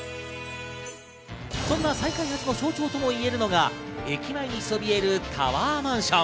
そんな再開発の象徴ともいえるのが駅前にそびえるタワーマンション。